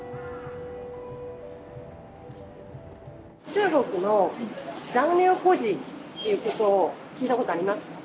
中国の残留孤児っていうことを聞いたことありますか？